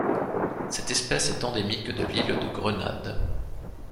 Cette espèce est endémique de l'île de Grenade.